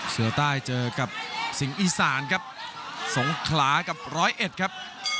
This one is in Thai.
เสือใต้เจอกับสิงห์อีสานครับสงขลากับร้อยเอ็ดครับ